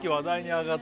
あっ